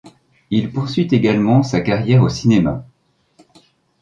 Il poursuit également sa carrière au cinéma.